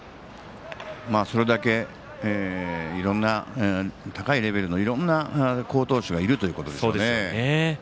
それだけ高いレベルのいろんな好投手がいるということでしょうね。